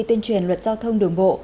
tuyên truyền luật giao thông đường bộ